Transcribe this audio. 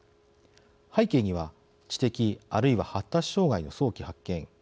背景には知的あるいは発達障害の早期発見。